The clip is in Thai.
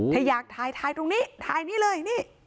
ถ้าอยากถ่ายถ่ายตรงนี้ถ่ายนี้เลย